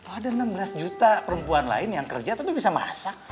ada enam belas juta perempuan lain yang kerja tapi bisa masak